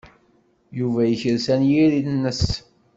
Yuba yekres anyir-nnes.